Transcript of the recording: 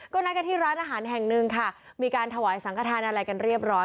ก็นัดกันที่ร้านอาหารแห่งหนึ่งค่ะมีการถวายสังขทานอะไรกันเรียบร้อย